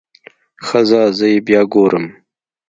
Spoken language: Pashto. ښه ځه زه يې بيا ګورم.